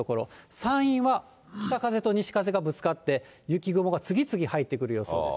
山陰は北風と西風がぶつかって雪雲が次々入ってくる予想です。